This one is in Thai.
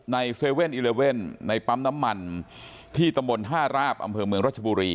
ใน๗๑๑ในปั๊มน้ำมันที่ตำบลท่าราบอำเภอเมืองรัชบุรี